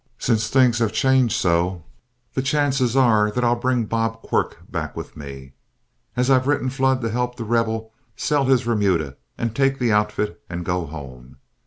Since things have changed so, the chances are that I'll bring Bob Quirk back with me, as I've written Flood to help The Rebel sell his remuda and take the outfit and go home.